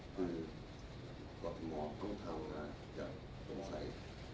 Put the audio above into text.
คือก็ถึงมองต้องทำและต้องใส่